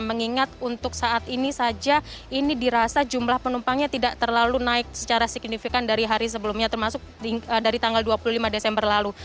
mengingat untuk saat ini saja ini dirasa jumlah penumpangnya tidak terlalu naik secara signifikan dari hari sebelumnya termasuk dari tanggal dua puluh lima desember lalu